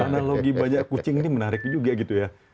analogi bajak kucing ini menarik juga gitu ya